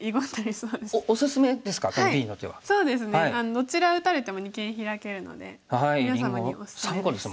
どちら打たれても二間ヒラけるので皆様におすすめです。